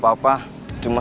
kondisi saya sudah berubah